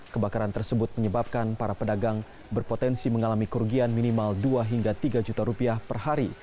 kebakaran tersebut menyebabkan para pedagang berpotensi mengalami kerugian minimal dua hingga tiga juta rupiah per hari